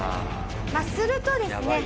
まあするとですね